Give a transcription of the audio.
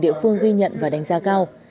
địa phương ghi nhận và đánh giá cao